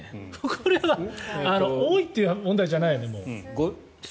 これは多いという問題じゃないよね、もう。